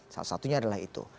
salah satunya adalah itu